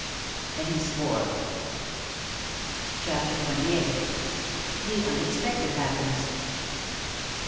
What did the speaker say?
And he swore. CHAPTER XXVIII. THE UNEXPECTED HAPPENS.